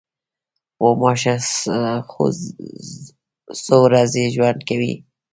غوماشه څو ورځې ژوند کوي.